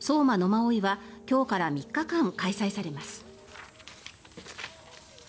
馬追は今日から３日間開催されます。